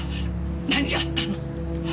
何があったの？